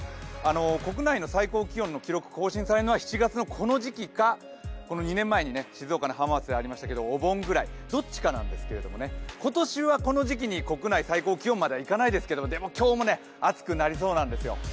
国内の最高気温の記録が更新されるのは７月のこの時期かこの２年前に静岡の浜松でありましたけど、お盆前、どっちかなんですけど、今年はこの時期に国内最高気温はいかないですけどでも今日も暑くなりそうなんですよ。